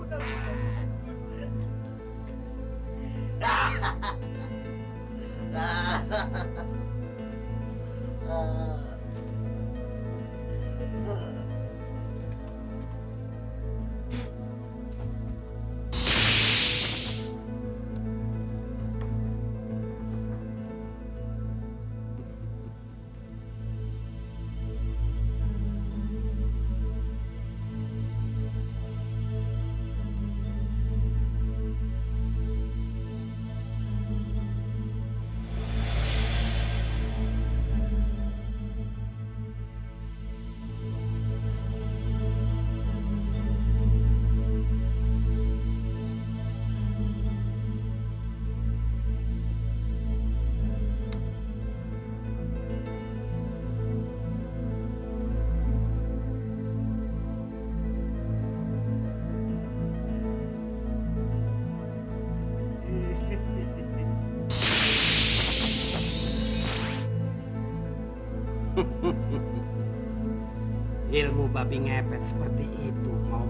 kamu berani beraninya ambil benda besar kan